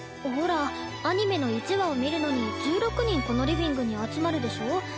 ほらアニメの１話を見るのに１６人このリビングに集まるでしょ。